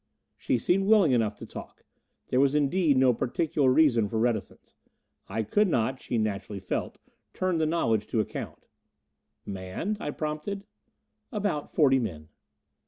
She seemed willing enough to talk. There was indeed, no particular reason for reticence; I could not, she naturally felt, turn the knowledge to account. "Manned " I prompted. "About forty men."